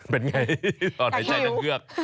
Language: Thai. เป็นไงตอนไหนใช่นักเลือก